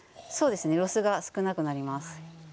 ロスが少なくなります。